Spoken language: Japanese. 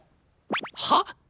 はっ？